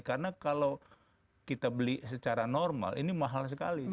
karena kalau kita beli secara normal ini mahal sekali